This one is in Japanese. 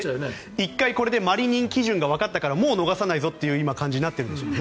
１回これでマリニン基準がわかったからもう逃さないぞという感じになってますね。